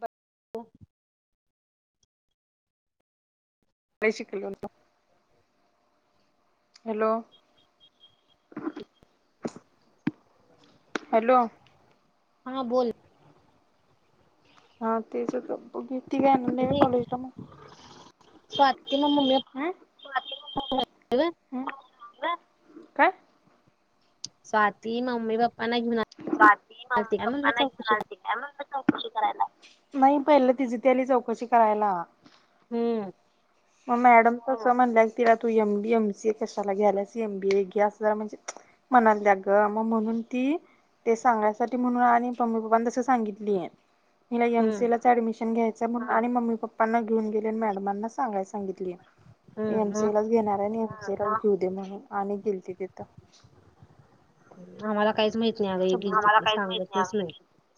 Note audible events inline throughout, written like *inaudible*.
बर *inaudible* हो. लय शिकल बोला. हॅलो. हॅलो हां बोल हा तेचीती तीगने नाही नवीनकॉलेज ला मग स्वाती मग हम मम्मी *unintelligible* काय स्वाती मम्मी पप्पा ना घेऊन आली स्वाती मम्मी पप्पा ना घेवुन आलथी काय माहित चौकशी करायला नाही पहिलं तिझी त आली चौकशी करायला हम्म मग मॅडम त असं म्हणलंय तिला तू M B M C A कशाला घ्यायलास एम बी ए घ्यास म्हणजे म्हनाला द ग मग म्हणून ती ते सांगण्यासाठी म्हणून आणि मम्मी पप्पांनी तसं सांगितलीय मला एम सी हम्म लाच ऍडमिशन घ्यायचंणून आणि मम्मी पप्पाांना घेन गेले आणि मॅडमांना सगायचं सांगितली हम्म एमसीए मग लाच घेणार आहे आणि एमसी ए ला घेऊ दे म्हणून आणि गेल तथं आम्हाला काहीच माहीत नाही आग किचत सांगतच नाय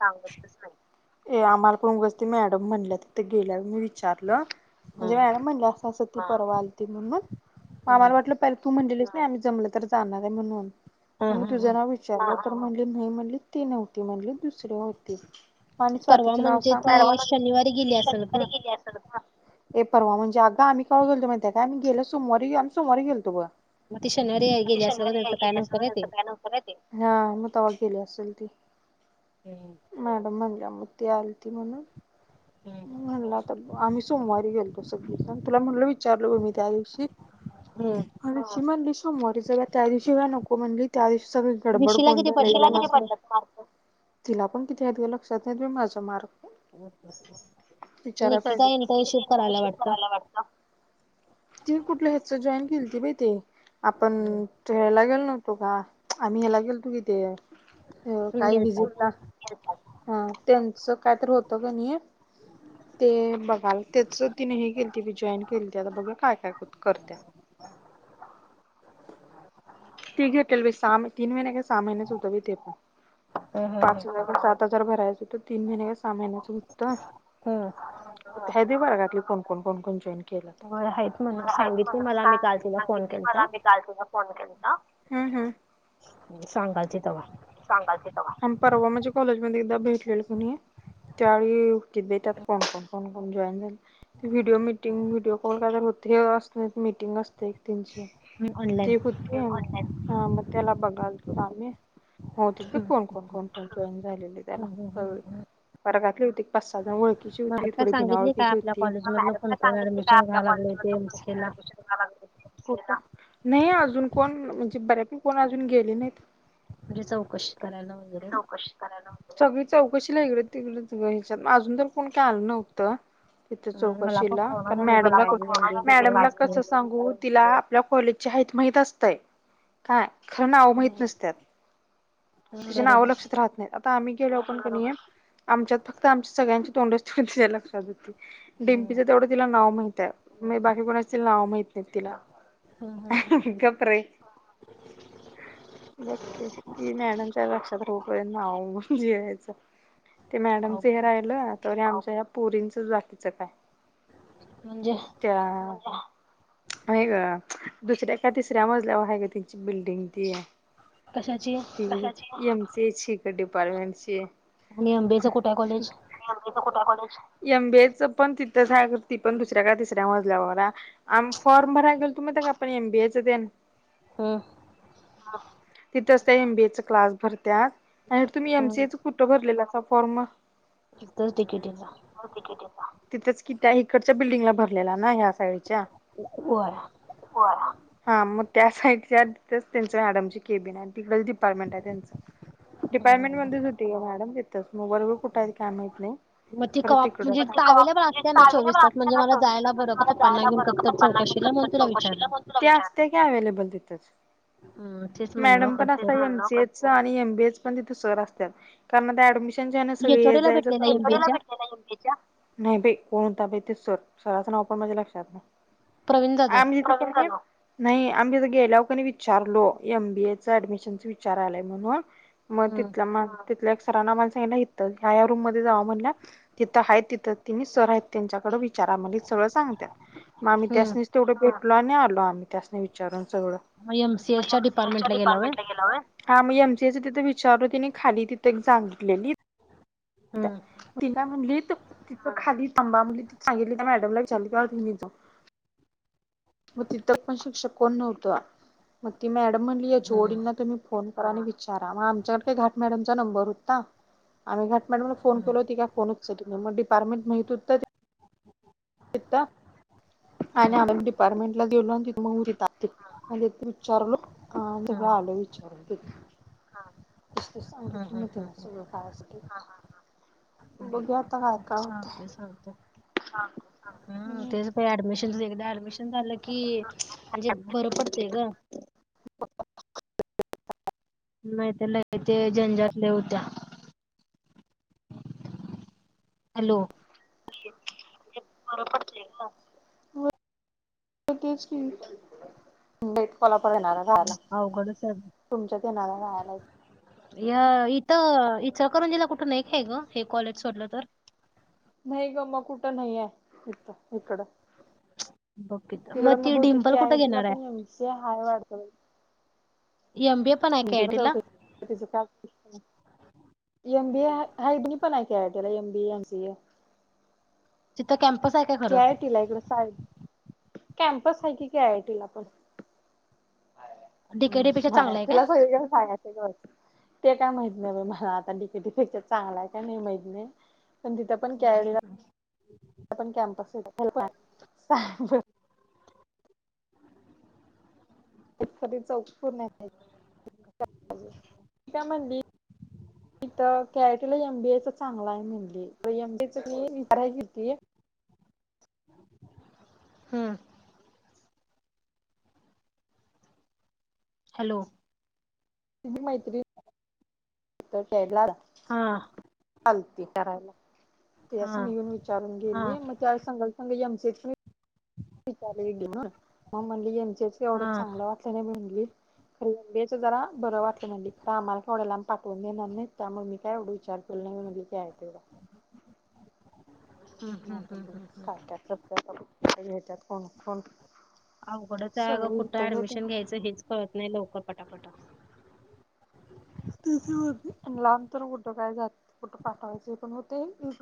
सांगतच नाही आम्हाला कोण गजती मॅडम म्हणल्या तथ गेल्यावर मी विचारलं हा म्हणजे मॅडम म्हणलं असं असं ती परवा आलथी त म्हणून म हम्म आमाला वाटलं तू म्हटलीस नाही आम्ही जमल तर जाणार आहे म्हणून हा मी हा तुझं हा नाव विचारलं म्हणली नाही म्हणली ते नव्हती म्हणली दुसरे होती आणि परवा स्वातीच नाव म्हणजे सांग ती शनिवारी गेली असेल ग हे परवा म्हणजे आता कावुन गलथो काय माहित सोमवारी म्ही सोमवारीेलो गलथो बर मग ती शनिवारी गेली असं ब त्यांचं काय नवत होत ते हा मग तवा गेली असेल ती ह मॅडम म्हणलं मग ती आलथी त म्हणून हम्म म्हणलं आता आम्ही सोमवारी गेलतो सगळीण तुला म्हटलं विचारलं ग मी त्या दिवशी हम्म अनिलशी मंली सोमवारी सगळ्या त्या दिवशी काय नको म्हंली त्या दिवशी सगळे विषीला किती पडल्यात मार्क तिला पण किती आहेत ग लक्षात नाही माझा मार्क विचाराय निकिता पाहिजे ते किती इंटर्नशिप करायला इंटनशिप वाटतं करायला वाटत ती कुठल्या ह्या जॉईन केली ती बाई ते आपण तू फिरायला गेल नव्हतो का आम्ही याला गेलथो की ते हम्म काही गेलता की. विजिटला हा त्यांचं काय तर होत ग निट ते बघ त्येच तिने हे केली ती जॉईन केली त आता बघा काय काय करत्या त घेटेल साहा तीन महिने कि सहा महिने होत ते बय हम्म हम्म पाचव्या सात हजार भरायचं तर तीन महिन्या का सहा महिन्याचं उत्तर हम्म है दे बर यातली कोण कोण कोण कोण जईन होय आहेत म्हणून मला काही सांगितली फन मला मी काल सांगित मला गाडून त फोन केलथा मी बी सांगायचे तेव्हा सांगाय तवा परवा म्हणजे कॉलेज मध्ये एकदा भेटलेल कोणी त्यावेळी देतात कोण कोण कोण कोण जॉईन झाल व्हिडिओ मीटिंग व्हिडिओ कॉल का हो अस मीटिंग असते एक तीनशे ऑनलाईन ते होती हा म त्याला बघाल त आम्ही होती ती कोण कोण कोणत जॉईन झालेले त्याला वर्गातली होती पाच सहाजण ओळखीचा मला शेवटी काय थोडी भिनावळ सांगितले काय किची आपल्या होती कॉलेज मग मधलं मॅडम कोण ला कोण सांगितली का ऍडमिशन आपल्या घ्यायला कॉलेज लागले ला ते एमसीए ला आडमीशन नोको होनार नाही अजून कोण म्हणजे बऱ्यापैकी कोण अजून गेले नाहीत म्हणजे चौकशी करायला वय चौकशी करायला सगळी चौकशीला इकडे तिकडे ग ह्याच्यात अजून तर कोण काय आलं नव्हतं इथ हम्म मला पण चौकशीला कोणा कारण झाले बी मॅडमला काळजी एम बी काय एमबीए घेता मॅडमला एमसीए कसं सांगू तिला आपल्या कॉलेजच्या हायत माहिती असतंय काय खरं नाव माहीत हम्म नसतं. त्या नाव बरोबर लक्षात राहात आता आम्ही गेलो आपण कि आहे आमच्यात फक्त आमच्या सगळ्यांची तोंडच त्याच्या लक्षात होती. हम्म डिपीचं तेवढं तिला नाव माहित आहे मे बाकी कोण असतील नाव माहित नाही तिला हम्म हम्म हम्म गप्प रे बघ कि ती मॅडमच्या लक्षात राहु शपर्यंत नाव जियार यायचं. ते मॅडमच हे अवघड राहिलं तर आमच्या या पुरींचं जातीचं काय म्हणजे त्या नाही ग दुसऱ्या काय तिसऱ्या मजल्यावर आहे ग तिची बिल्डिंग ती कशाची एम सीए डिपार्टमेट आणि अंबेचा कुठं आहे कॉलेज? यच कुठ्याकॉडे *unintelligible* एमबीए च पण तिथं झा ती पण दुसऱ्या का तिसऱ्या मजल्या वगैर फॉर्म भराय गेल तु मग का आपण एमबीएचं तेन हम्म तिथत एमबीएचा क्लास भरतात आणि तुम्ही हम्म एमसीए कुठं भरलेला असा फॉर्म तिथंच डिकेटीला तिथेच कि त्या इकडच्या बिल्डिंगला भरलेल्या ना ह्या साईडच्या होय हा मग त्या साईच्याच त्यांच मॅडमची केबिन आहे. तिकडच डिपार्टमेंट आहे त्यांचं डिपार्टमेंट मध्ये सुटी आहे मॅडम तिथच मोबाईलर कुठ आहे काय माहीत नाही मग ती क खरं तिकडच म्हणजे आहे. अवेलेबल असते ना चोवीस तास म्हणजे मला जायला बरं का पप्पांना घेऊन तर चौकशीला म्हणजे तुला विचारलं अ हम्म तेच म्हणलं मडण कसं *unintelligible* सॉरी एमबीयचे पण सर तिथे असतात कारण आता ऍडमिशन एचओडी ला भेटलेला एमबीए च्या *unintelligible* नाही बाई कोण होता बाई ते सर सराचं नाव पण माझ्या लक्षात नाही. प्रवीण जाधव आमीण का *unintelligible* नाही आम्ही तर गेल्यावर कणी विचारलो एम बी ए च ऍडमिशनच विचार आलाय म्हणून मग हम्म तिथला तिथल्या एक सरांना मला सांगितलं ह ह्यायाया रूम मध्ये जावा म्हणला. तिथं आहेत तिथं ति सर आहेत त्यांच्याकड विचारा म सगळं सांगतात. हम्म त्यासनीच तेवढं भेटल आणि आलो आम्ही त्यासने विचारून सगळं मग आ एम सी ए च्या डिपार्टमेंट ला गेला हो. हा मग एमसी एचं तिथे विचारो तिने खाली तिथे सागितलेली. हम्म. तिला म्हणली तर तिथं खाली थाबा म्हणली ति सांगितली त्या मॅडमला विचारली क तिथं मग तिथं पण शिक्षक कोण नव्हतं मग ती मॅडम म्हणली याची हम्म एचओडींना तुम्ही फोन करा आणि विचारा मग आमच्याकड का घाट मॅडमचा नंबर होता. आम्ही घट फोन हम्म केलो ती काय फोन उचलली नाही मग डिपार्टमेंट माहित होत आणि हम्म *unintelligible* डिपारमेंट ला गेलो आणि तिथं मग विचारलो हम्म सगळं आल विचारल हम्म सांगितलं हम्म हम्म ना सगळं काशासाठी बघूया आता काय काय होते चालतंय चालतंय हा हम्म तेच का ऍडमिशन एक ऍडमिशन झालं की म्हणजे बरं पडतेय ग नाहीत ल ते झंजातल्या होत्या. हॅलो. बरोबर. बेट. कोलाप येणारा हम्म, गायला अवघडच आहे तुमच्यात येणारा गायला *unintelligible* या इथं इचकरंजीला कुठं एक का आहे ग हे कॉलेज सोडलं तर नाही ग मग कुठं नाही आहे. इथ इकडं. बघ तिथं तिकडं मग ती बहतेक डिंपल की आहे कुठं तिला घेणार पण एमची हाय वाढत. एमब ए *unintelligible* ंटी प चौक तचं काय? M B. ए हब नि पनाय केयदला एम बी ए यांचेए. तिथ कॅम्पस आहे का? खरं? केयाटला इकडं सायलक कॅम्पस आहे की कीआयआयटी ला पण डीकेडी पेक्षा हम चांगलं आहे काय? तुला सग सांगायचं. ग. ते काय माहीत नाही बा मला आता तिकेटीपेक्षा चांगला. आहे का नाही माहित नाही पण तिथं. हम् हम हम. ण कॅम्पस *unintelligible* एखादी चौक का म्हणाली. मीथ केआय टीला एमबीए च चांगला. आहे. म्हणली तर एमबीए च मी विचारय घली. हम्म. हॅलो. तुझीमैत्री तर केरलाला हा. चालते करायला. ते असं हा निऊन विचारून हा गेली. मग त्या सगा सांगमचे. विचार मग म्हण यांचेच हा एवढंच चांगलं वाटल्याने भनली रयाचं जरा बरं वाटलं म्हं तर आम्हाला केवढ्याला पाठवून देणार नाही. त्यामुळे मी काय एवढं विचारत. फु मिली क आय. हम्म हम्म हम्म हम्म हम्म ेतात कोणण *unintelligible* अवघडच आहे गं कुठं ऍडमिशन घ्यायचं. हेच कळत नाही. लवकर पटापट तेथ लहान तर फोटो काय जात फोटो पाठवायचे पण मग ते *unintelligible*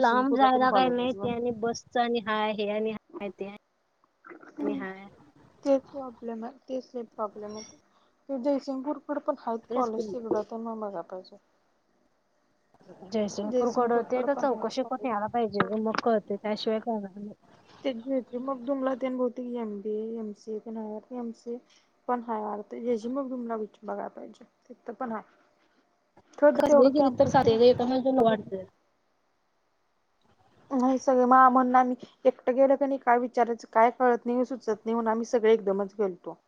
लांब जायला काही नाही आहेत बघ. ते आणि बसच आणि हाय, हे आणि हा ते आणि हम्म हाय तेच प्रॉब्लेम आहे तेच प्रॉब्लेम आहे, ते जयसिंगपूर तिकडे पण आहेत तेच कॉलेज की तिकड तर मग बघा पाहिजे. जयसिंगपूर कडवते जयसिंगपूरकडे तर पण आहेत चौकशी पण कॉलेज. यायला पाहिजे. मग कळते त्याशिवाय करणार नाही. ते घ मग तुम्हाला तेभते की एबी एम सी ए प एम सी ए. पण हा वात जे जी मगमला विच बघाला पाहिजे. तिथं पण आहेय. कधी सगळी तेवढं गेलीत तर कॅम्पस ते चालतंय ग एका नसतात ते माणसाला वाटतंय. सगळे आमोना की एकटं गेलं क नाही, काय विचारायचं काय कळत नाही, सुचत नाही, म्हणून आम्ही सगळे एकदमच गेलतो.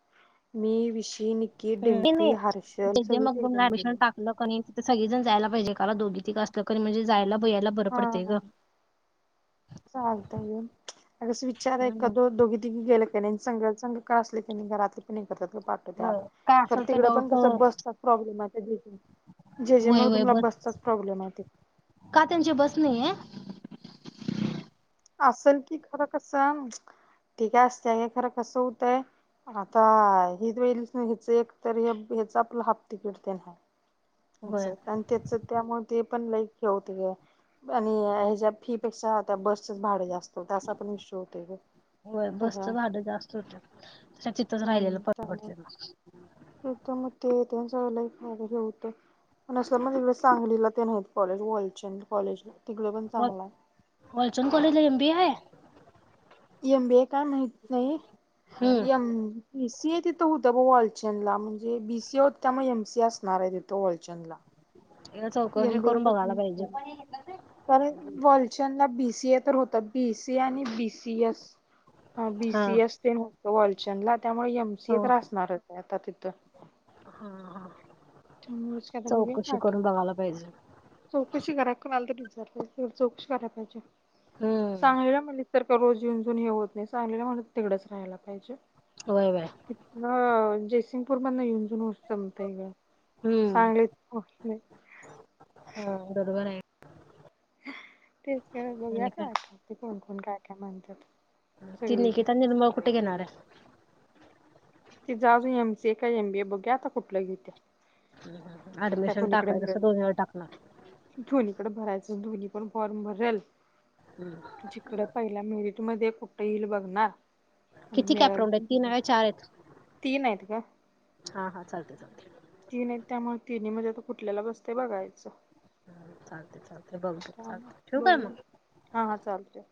मी विशी, निकी, नाही डिम्पी, हर्षल सगळे एकदम गेलतो. क नै, तिथं सगळी जण जायला पाहिजे, एकाला दोघी तीघी असलं क म्हणजे जायला भयाला बर पडतय ग. चालतय घे. अगस विचाराय हम्म. दो दोघी गेले कनै, संग संग का असलं की नै घरातले पण हे करतातग, होय पाटवत्यात. काय असल खर ते तिकड डाऊट पण कस, बसतचा प्रॉब्लेम आहे, त्या जे जे वय वय मगदूमला बस बसचाच प्रॉब्लेम आहे. का त्यांची बस नाई या. असल कि, खरं कस, ती काय आसत्या घे, हे खर कसं होतय आता हे लच नाही हेच एक तर हे ह्याच आपलं हाफ तिकीट तेन हाय अस, होय आणि त्याच त्यामुळे ते पण लाईच हेे होते गं. आणि ह्याच्या फी पेक्षा, त्या बसचेच भाडे जास्त, असा पण विषय होतोय नी होय, बसचं भाडं जास्त होतंय, तिथंच राहिलेलं हम्म पर त्यामुळे तर मग ते त्यांचं लाईफ वगैरे होतं. पण अस मग तिकडे सांगलीला तेन आहीत कॉलेज, वॉलचंद कॉलेज, तिकडे पण चांगलाय वालचंद कॉलेज ला एम बी ए आहे? एम बि ए काय माहित नाही, M hmm B C A तिथं होतं बघ वालचंद ला, म्हणजे बी सी ए होत, त्यामुळे एम सी ए असणार आहे तिथं वालचंदला. एकदा चौकशी करून बघायला पाहिजे. पण वॉलचंदला बीज्ञसी ए तर होत, बी सी ए आणि बी सी एस. ह बी हा सी एस तेन हुतं वॉलचंदला, त्यामुळे एम सी ए तर आसणार आता तिथं हम्म, त्यामुळेच की आता बघूया चौकशी काय काय करून होतंय बघायला पाहिजे. चौकशी करा की, कुणाला तर विचारुन चौकशी कराय पाहिजे, हम्म सांगलीला म्हनलीस तर रोज येऊन -जाऊन हे होत नाही, सांगलीला म्हणलीस तर तिकडंच राहायला पाहिजे. वय बाय. हां, जयसिंगपूर मधण येऊन -जाऊन हो जमतय घे. हम्म, बरोबर आय. तेच की, बघुया आणि काय? आता ते कोण कोण काय काय म्हणतात. ति सगळीजण निकीता निर्मळे, कुठे घेणारय? तिचां अजून एम सी ए का एम बी ए बघू आता कुठलं घेतीया. ऍडमिशन टाकायच तसं दोन वेळा टाकणार. दोनीकडे भरायचं, दोनी पण फॉर्म भरेल जिकड पहिल्या मिरिट मध्ये कुठं येईल बघनार आणि किती मिळल, कॅपराऊंड आहेत तीन आहे चार आहेत तीन आहेत गं हा हा, चालतेय चालतेय. तीन आहेत, त्यामुळे तिन्ही मध्ये आता कुठल्याला बसतंय बघायचं. ह, चालतेय चालतय, बघ चालतय, त्यामुळे ठिवु काय बघूया मग? हा हा, चालतय.